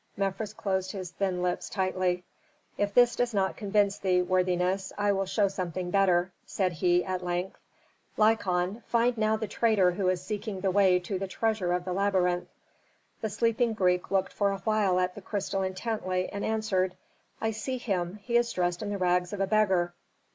Mefres closed his thin lips tightly. "If this does not convince thee, worthiness, I will show something better," said he at length. "Lykon, find now the traitor who is seeking the way to the treasure of the labyrinth." The sleeping Greek looked for a while at the crystal intently, and answered, "I see him he is dressed in the rags of a beggar."